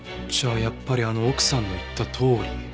じゃあやっぱりあの奥さんの言ったとおり。